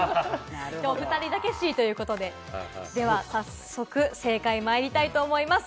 おふたりだけＣということで、では早速、正解にまいりたいと思います。